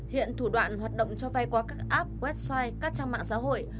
hiện thủ đoạn hoạt động cho vay qua các app website các trang mạng xã hội